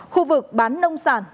khu vực bán nông sản